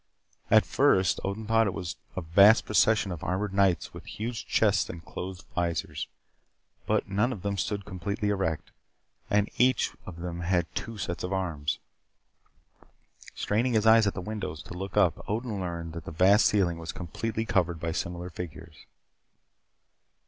At first, Odin thought it was a vast procession of armored knights with huge chests and closed visors. But none of them stood completely erect and each of them had two sets of arms. Straining his eyes at the windows to look up, Odin learned that the vast ceiling was completely covered by similar figures.